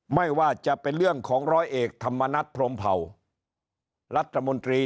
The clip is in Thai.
ไม่ว่าจะเป็นเรื่องของร้อยเอกธรรมนัฐพรมเผ่ารัฐมนตรี